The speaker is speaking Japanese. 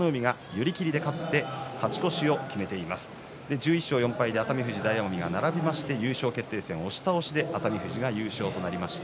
１１勝４敗で熱海富士、大奄美が並びまして熱海富士が優勝となりました。